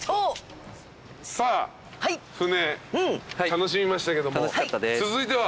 さあ船楽しみましたけども続いては？